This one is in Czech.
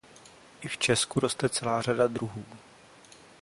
I v Česku roste celá řada druhů.